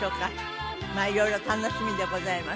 いろいろ楽しみでございます。